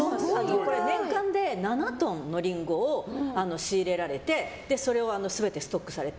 年間で７トンのリンゴを仕入れられてそれを全てストックされて。